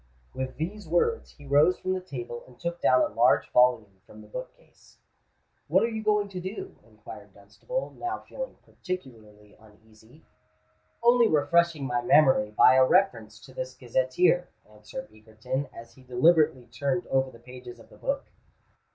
With these words, he rose from the table and took down a large volume from the book case. "What are you going to do?" inquired Dunstable, now feeling particularly uneasy. "Only refreshing my memory by a reference to this Gazetteer," answered Egerton, as he deliberately turned over the pages of the book.